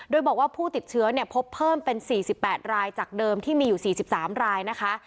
โดยบอกว่าผู้ติดเชื้อพบเพิ่มเป็น๔๘รายจากเดิมที่มีอยู่๔๓รายนะคะ